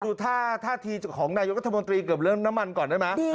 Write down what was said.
ท่าทีของนายกรัฐมนตรีเกือบเรื่องน้ำมันก่อนได้ไหม